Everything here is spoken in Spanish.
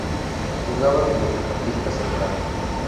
Jugaba de mediocampista central.